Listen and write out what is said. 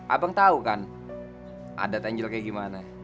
abang tau kan adat angel kayak gimana